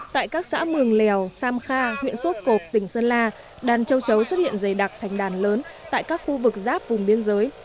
tại các xã mường lèo sam kha huyện sốt cộp tỉnh sơn la đàn châu chấu xuất hiện dày đặc thành đàn lớn tại các khu vực giáp vùng biên giới